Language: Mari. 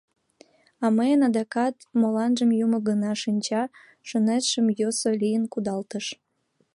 А мыйын адакат, моланжым юмо гына шинча, чоныштем йӧсӧ лийын кудалтыш.